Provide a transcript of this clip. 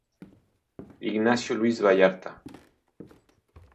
Ignacio Luis Vallarta".